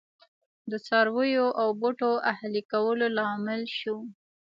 د څارویو او بوټو اهلي کولو لامل شو